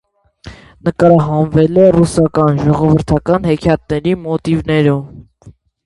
Նկարահանվել է ռուսական ժողովրդական հեքիաթների մոտիվներով։